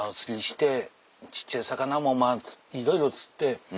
小っちゃい魚もいろいろ釣って。